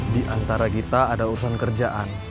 di antara kita ada urusan kerjaan